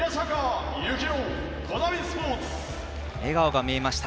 笑顔が見えました。